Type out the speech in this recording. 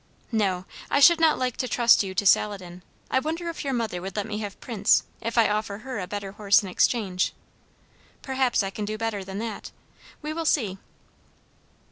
No, I should not like to trust you to Saladin. I wonder if your mother would let me have Prince, if I offer her a better horse in exchange. Perhaps I can do better than that. We will see."